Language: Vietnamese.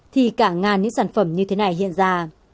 thì cả ngàn những sản phẩm như thế này hiện ra